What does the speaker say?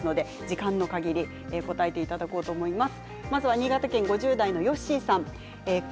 時間のかぎり答えていただこうと思います。